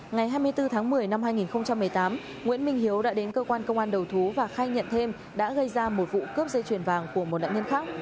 ngày hai mươi bốn tháng một mươi năm hai nghìn một mươi tám nguyễn minh hiếu đã đến cơ quan công an đầu thú và khai nhận thêm đã gây ra một vụ cướp dây chuyền vàng của một nạn nhân khác